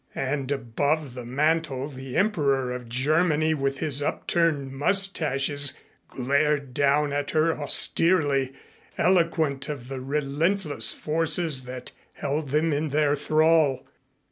And above the mantel the Emperor of Germany with his upturned mustaches glared down at her austerely, eloquent of the relentless forces that held them in their thrall.